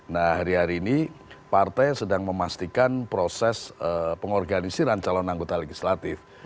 nah hari hari ini partai sedang memastikan proses pengorganisiran calon anggota legislatif